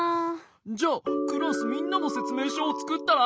じゃあクラスみんなのせつめいしょをつくったら？